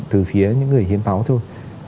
từ phía những người hiến máu thôi